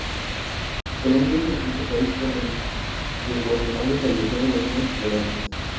Daisuke Yano